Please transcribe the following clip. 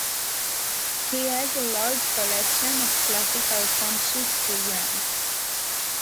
He has a large collection of classical concert programmes